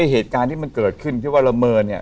เหตุการณ์ที่มันเกิดขึ้นที่ว่าละเมินเนี่ย